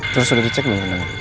terus udah dicek dulu rendangnya